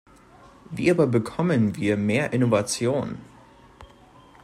Wie aber bekommen wir mehr Innovation?